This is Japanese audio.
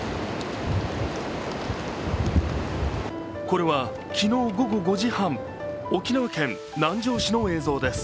これは昨日午後５時半、沖縄県南城市の映像です。